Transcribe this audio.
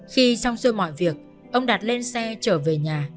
khi xong xôi mọi việc ông đạt lên xe trở về nhà